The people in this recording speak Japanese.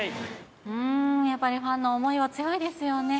やっぱりファンの思いは強いですよね。